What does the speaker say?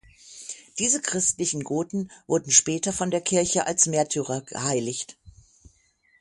Diese christlichen Goten wurden später von der Kirche als Märtyrer geheiligt.